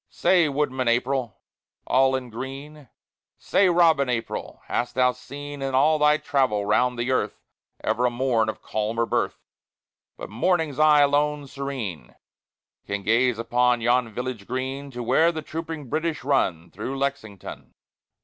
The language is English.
Say, Woodman April! all in green, Say, Robin April! hast thou seen In all thy travel round the earth Ever a morn of calmer birth? But Morning's eye alone serene Can gaze across yon village green To where the trooping British run Through Lexington.